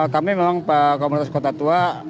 kami memang komunitas kota tua